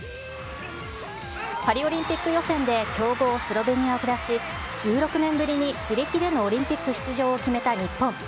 パリオリンピック予選で強豪、スロベニアを下し、１６年ぶりに自力でのオリンピック出場を決めた日本。